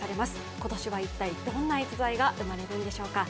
今年は一体、どんな逸材が生まれるんでしょうか。